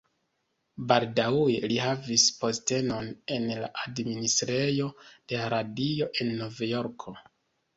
Baldaŭe li havis postenon en la administrejo de la Radio en Novjorko.